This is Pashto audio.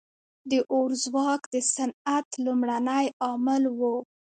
• د اور ځواک د صنعت لومړنی عامل و.